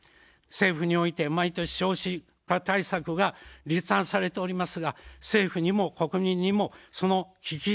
政府において毎年、少子化対策が立案されておりますが、政府にも国民にも、その危機意識が薄すぎます。